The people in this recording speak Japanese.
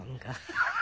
ハハハハ。